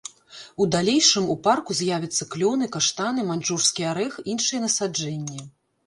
У далейшым у парку з'явяцца клёны, каштаны, маньчжурскі арэх, іншыя насаджэнні.